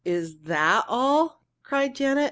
"Is that all?" cried Janet.